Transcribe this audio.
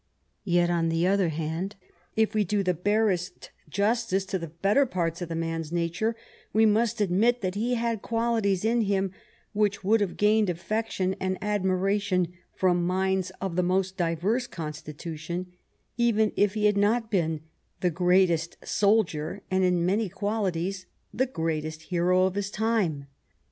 Yet, on the other hand, if we do the barest justice to the better parts of the man's nature, we must admit that he had quali ties in him which would have gained aflFection and ad miration from minds of the most diverse constitution, even if he had not been the greatest soldier, and in many qualities the greatest hero, of his time.